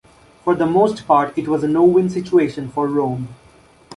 For the most part it was a no-win situation for Rome.